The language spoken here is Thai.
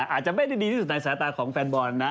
อาจจะไม่ได้ดีที่สุดในสายตาของแฟนบอลนะ